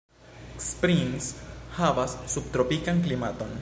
Springs havas subtropikan klimaton.